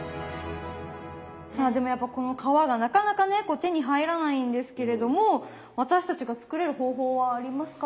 さあでもやっぱこの皮がなかなかね手に入らないんですけれども私たちが作れる方法はありますか？